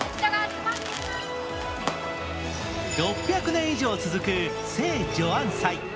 ６００年以上続く聖ジョアン祭。